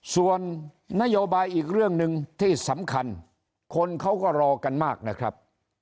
ส่วนนโยบายอีกเรื่องหนึ่งที่สำคัญคนเขาก็รอกันมากนะครับ